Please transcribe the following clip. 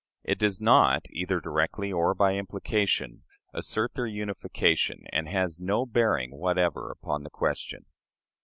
It does not, either directly or by implication, assert their unification, and has no bearing whatever upon the question.